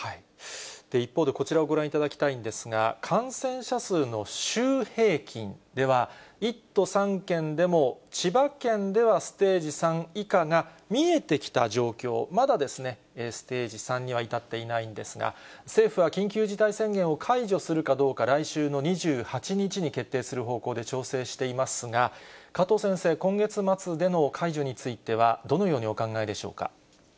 一方で、こちらをご覧いただきたいんですが、感染者数の週平均では、１都３県でも千葉県ではステージ３以下が見えてきた状況、まだステージ３には至っていないんですが、政府は緊急事態宣言を解除するかどうか、来週の２８日に決定する方向で調整していますが、加藤先生、今月末での解除については、どのようにお考えでしょうか。